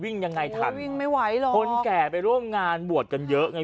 ยังไงทันวิ่งไม่ไหวหรอกคนแก่ไปร่วมงานบวชกันเยอะไง